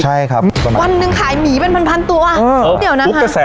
ใช่ครับวันหนึ่งขายหมีเป็นพันพันตัวอ่าเดี๋ยวนะฟุกกระแส